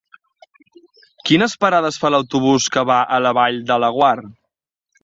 Quines parades fa l'autobús que va a la Vall de Laguar?